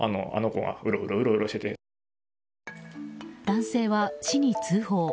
男性は市に通報。